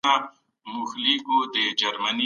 ادبي څېړنه د ادب په هکله نوې پوهه رامنځته کوي.